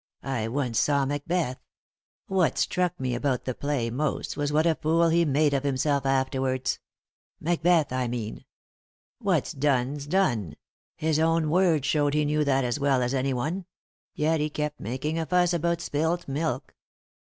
I once saw Macbeth ; what struck me about the play most was what a fool he made of himselt afterwards— Macbeth, I mean. What's done's done ; his own words showed he knew that as well as any one; yet he kept making a fuss about spilt milk.